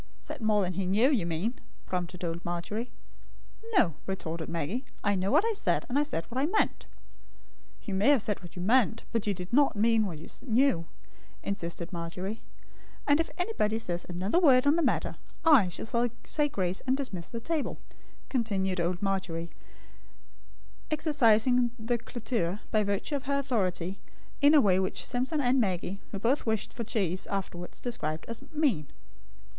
"Said more than he knew, you mean," prompted old Margery. "No," retorted Maggie, "I know what I said; and I said what I meant." "You may have said what you meant, but you did not mean what you knew," insisted Margery; "and if anybody says another word on the matter, I shall say grace and dismiss the table," continued old Margery, exercising the cloture, by virtue of her authority, in a way which Simpson and Maggie, who both wished for cheese, afterwards described as "mean."